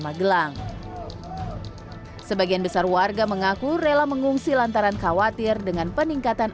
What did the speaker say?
magelang sebagian besar warga mengaku rela mengungsi lantaran khawatir dengan peningkatan